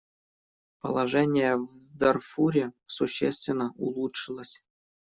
Положение в Дарфуре существенно улучшилось.